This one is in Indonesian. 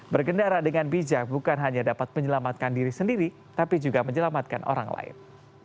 bergendara dengan bijak bukan hanya dapat menyelamatkan diri sendiri tapi juga menyelamatkan orang lain